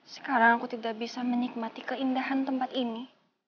sekarang aku tidak bisa menikmati keindahan tempat ini